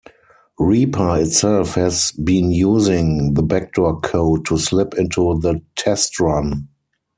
Reaper itself has been using the backdoor code to slip into the test run.